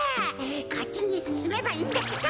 こっちにすすめばいいんだってか。